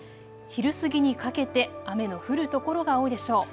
昼過ぎにかけて雨の降る所が多いでしょう。